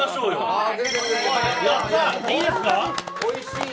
おいしい